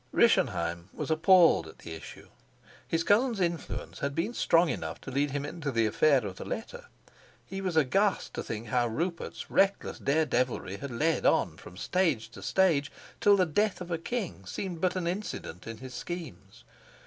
Rischenheim was appalled at the issue. His cousin's influence had been strong enough to lead him into the affair of the letter; he was aghast to think how Rupert's reckless dare deviltry had led on from stage to stage till the death of a king seemed but an incident in his schemes.